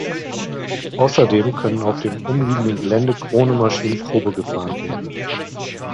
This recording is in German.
Außerdem können auf den umliegenden Gelände Krone-Maschinen Probe gefahren werden.